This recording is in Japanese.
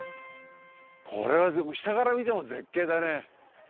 これは下から見ても絶景だね。